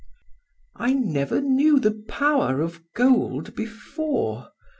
"I never knew the power of gold before.